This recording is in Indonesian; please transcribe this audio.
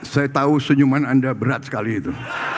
saya tahu senyuman anda berat sekali itu